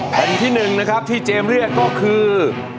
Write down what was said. แผ่นที่๑นะครับที่เจมส์เรียกก็คือ